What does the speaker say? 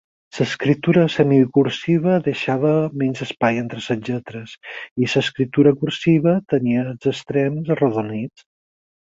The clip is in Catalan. L'escriptura semicursiva deixava menys espai entre les lletres, i l'escriptura cursiva tenia els extrems arrodonits.